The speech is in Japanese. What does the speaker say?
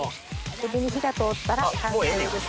海老に火が通ったら完成です。